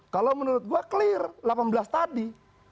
kalau menurut gue clear delapan belas tadi